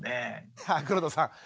さあ黒田さん